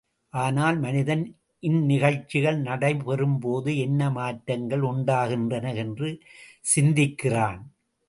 ஆனால் மனிதன் இந்நிகழ்ச்சிகள் நடைபெறும்போது என்ன மாற்றங்கள் உண்டாகின்றன என்று சிந்திக்கிறான்.